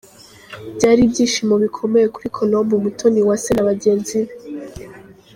Byari ibyishimo bikomeye kuri Colombe Umutoniwase na bagenzi be.